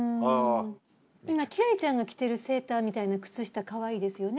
今輝星ちゃんが着てるセーターみたいな靴下かわいいですよね。